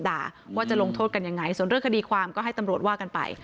ว่าจะลงโทษกันยังไงส่วนเรื่องคดีความก็ให้ตำรวจว่ากันไป